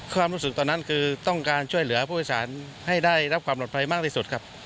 ความรู้สึกตอนนั้นคือต้องการช่วยเหลือผู้โดยสารให้ได้รับความปลอดภัยมากที่สุดครับ